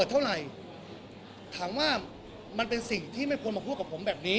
เท่าไหร่ถามว่ามันเป็นสิ่งที่ไม่ควรมาพูดกับผมแบบนี้